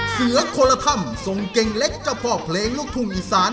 เสือโคลธรรมทรงเกงเล็กเจ้าพ่อเพลงลูกทุนอีสาน